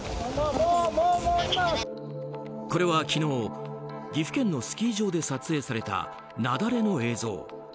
これは昨日、岐阜県のスキー場で撮影された雪崩の映像。